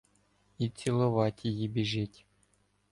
І ціловать її біжить.